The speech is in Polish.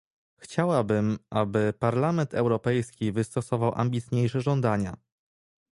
Chciałabym, aby Parlament Europejski wystosował ambitniejsze żądania